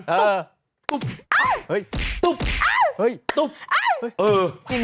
ตุ๊บตุ๊บตุ๊บตุ๊บ